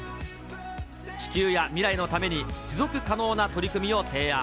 地球や未来のために持続可能な取り組みを提案。